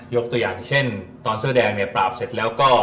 ตัวอย่างเช่นตอนเสื้อแดงเนี่ยปราบเสร็จแล้วก็